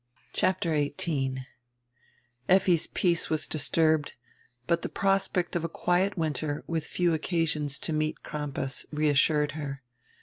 CHAPTER XVIII [EFFI'S peace was disturbed, but die prospect of a quiet winter, widi few occasions to meet Crampas, reassured her.